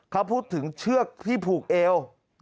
เขาพูดถึงเชือกที่ผูกเอว